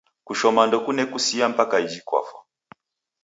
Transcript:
Kushoma ndokune kusia mpaka iji kwafa